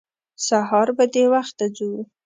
سهار به د وخته ځو.